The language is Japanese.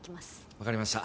分かりました。